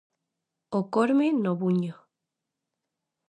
O Corme no Buño.